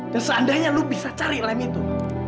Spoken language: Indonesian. dan seandainya lu bisa cari lem itu